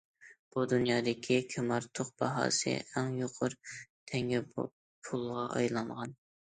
بۇ دۇنيادىكى كىمئارتۇق باھاسى ئەڭ يۇقىرى تەڭگە پۇلغا ئايلانغان.